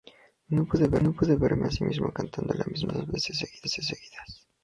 No puedo verme a mí mismo cantando la misma canción dos veces seguidas.